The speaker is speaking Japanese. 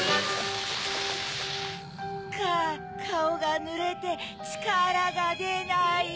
カオがぬれてちからがでない。